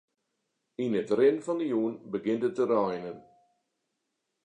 Yn 'e rin fan 'e jûn begjint it te reinen.